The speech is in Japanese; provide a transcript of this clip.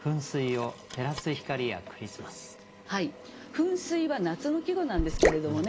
「噴水」は夏の季語なんですけれどもね